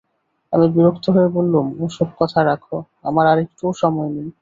আমি বিরক্ত হয়ে বললুম, ও-সব কথা রাখো, আমার আর একটুও সময় নেই।